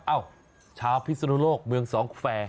เอ้าชาวพิศนุโลกเมืองสองแฟร์